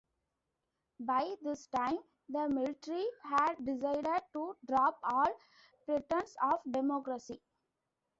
By this time, the military had decided to drop all pretense of democracy.